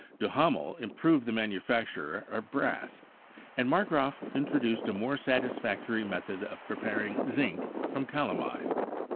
Duhamel improved the manufacture of brass, and Marggraf introduced a more satisfactory method of preparing zinc from calamine.